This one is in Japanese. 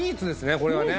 これはね